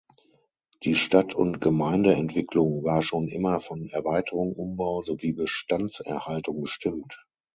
Die Stadt- und Gemeindeentwicklung war schon immer von Erweiterung, Umbau sowie Bestandserhaltung bestimmt.